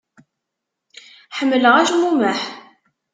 Ḥemmleɣ acmumeḥ.